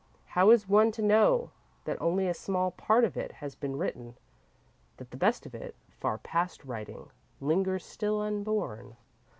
How is one to know that only a small part of it has been written, that the best of it, far past writing, lingers still unborn?